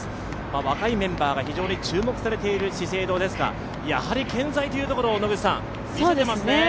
若いメンバーが非常に注目されている資生堂ですが、やはり健在というところを見せてますね。